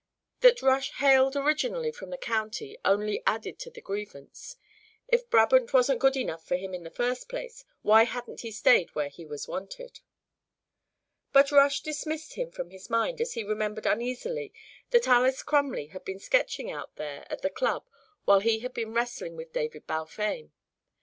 That Rush "hailed" originally from the county only added to the grievance. If Brabant wasn't good enough for him in the first place, why hadn't he stayed where he was wanted? But Rush dismissed him from his mind as he remembered uneasily that Alys Crumley had been sketching out there at the Club while he had been wrestling with David Balfame.